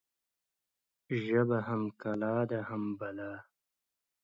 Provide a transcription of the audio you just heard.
ژبه هم کلا ده، هم بلا